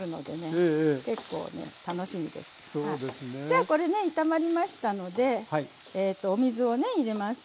じゃあこれね炒まりましたのでえとお水をね入れます。